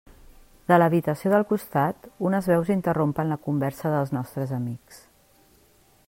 De l'habitació del costat unes veus interrompen la conversa dels nostres amics.